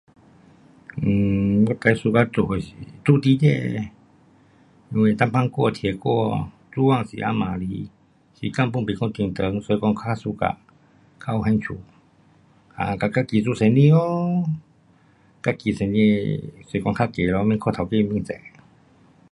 um 我最 suka 做的是做铁的，因为以前割铁过，做工时间晚里，时间 pun 不讲很长，是将较 suka 较有兴趣。um 跟自己做生意咯，自己生意是讲较易咯，免讲看 taukei 脸色。